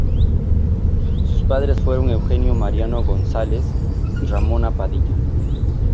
Sus padres fueron Eugenio Mariano González y Ramona Padilla.